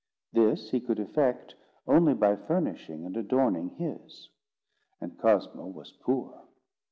This he could effect only by furnishing and adorning his. And Cosmo was poor.